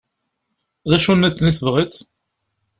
D acu-nniḍen i tebɣiḍ?